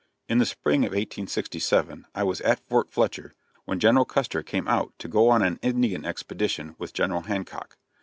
In the spring of 1867 I was at Fort Fletcher, when General Custer came out to go on an Indian expedition with General Hancock.